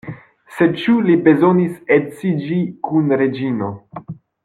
Sed ĉu li bezonis edziĝi kun Reĝino?